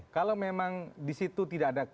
kalau memang di situ tidak ada